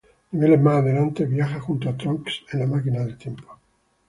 Niveles más adelante, viaja junto a Trunks en la máquina del tiempo.